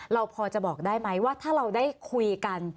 เราพอจะบอกได้ไหมว่าถ้าเราได้คุยกัน